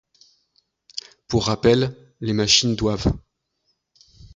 Pour rappel, les machines doivent